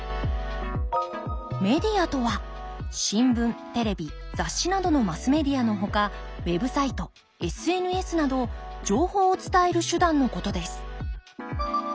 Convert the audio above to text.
メディアとは新聞テレビ雑誌などのマスメディアのほかウェブサイトＳＮＳなど情報を伝える手段のことです。